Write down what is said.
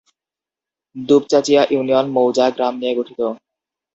Dupchanchia union মৌজা/গ্রাম নিয়ে গঠিত।